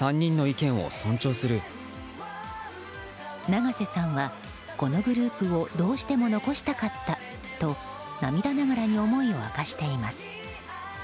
永瀬さんは、このグループをどうしても残したかったと涙ながらに思いを明かしています。